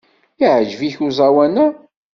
Yeɛjeb-ik uẓawan-a?